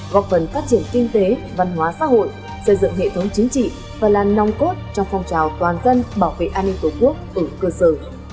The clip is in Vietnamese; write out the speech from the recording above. góp phần phát triển kinh tế văn hóa xã hội xây dựng hệ thống chính trị và là nòng cốt trong phong trào toàn dân bảo vệ an ninh tổ quốc ở cơ sở